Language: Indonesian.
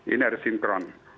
ini harus sinkron